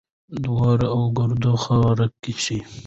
د دوړو او ګردو خوراک شي .